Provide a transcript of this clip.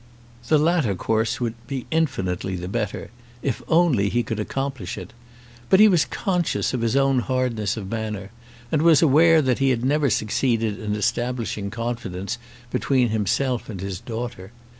The latter course would be infinitely the better, if only he could accomplish it. But he was conscious of his own hardness of manner, and was aware that he had never succeeded in establishing confidence between himself and his daughter.